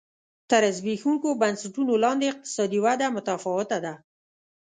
تر زبېښونکو بنسټونو لاندې اقتصادي وده متفاوته ده.